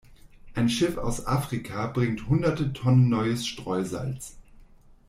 Ein Schiff aus Afrika bringt hunderte Tonnen neues Streusalz.